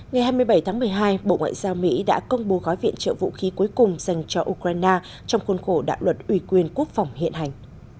ngày hai mươi bảy tháng một mươi hai bộ ngoại giao mỹ đã công bố gói viện trợ vũ khí cuối cùng dành cho ukraine trong khuôn khổ đạo luật ủy quyền quốc phòng hiện hành